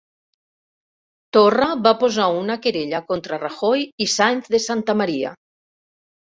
Torra va posar una querella contra Rajoy i Sáenz de Santamaría